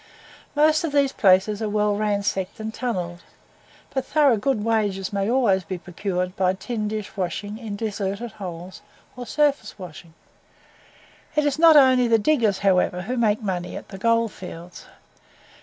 Most of these places are well ransacked and tunnelled, but thorough good wages may always be procured by tin dish washing in deserted holes, or surface washing. It is not only the diggers, however, who make money at the Gold Fields.